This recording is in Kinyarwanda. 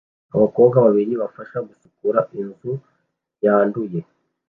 Abakobwa babiri bafasha gusukura inzu yanduye